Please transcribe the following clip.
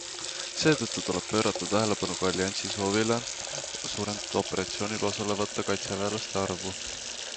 Seetõttu tuleb pöörata tähelepanu ka alliansi soovile suurendada operatsioonil osalevate kaitseväelaste arvu.